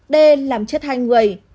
d làm chết hai người